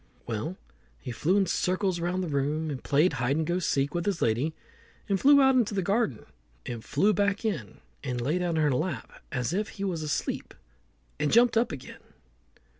Well, he flew in circles round the room, and played hide and go seek with his lady, and flew out into the garden, and flew back again, and lay down in her lap as if he was asleep, and jumped up again.